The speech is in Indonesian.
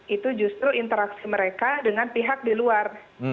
itu justru interaksi mereka dengan pihak di luar